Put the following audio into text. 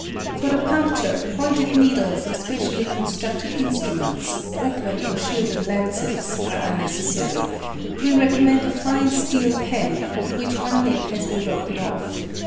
For the puncture pointed needles or specially constructed instruments, open or shielded lancets, are unnecessary: we recommend a fine steel pen, of which one nib has been broken off.